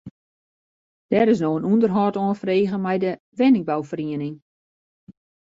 Der is no in ûnderhâld oanfrege mei de wenningbouferieniging.